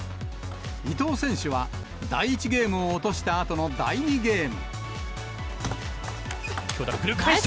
伊藤選手は、第１ゲームを落としたあとの第２ゲーム。